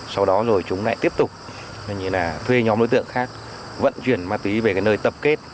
sau đó rồi chúng lại tiếp tục như là thuê nhóm đối tượng khác vận chuyển ma túy về cái nơi tập kết